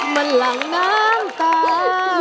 มันหลังน้ำตา